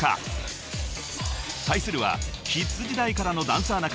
［対するはキッズ時代からのダンサー仲間］